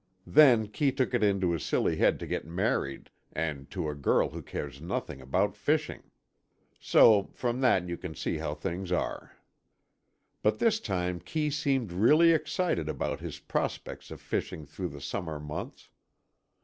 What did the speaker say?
Then Kee took it into his silly head to get married, and to a girl who cares nothing about fishing. So from that you can see how things are. But this time Kee seemed really excited about his prospects of fishing through the summer months.